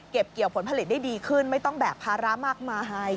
เกี่ยวผลผลิตได้ดีขึ้นไม่ต้องแบกภาระมากมายให้